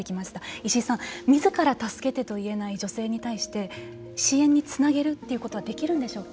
石井さん、みずから助けてと言えない女性に対して支援につなげるということはできるんでしょうか。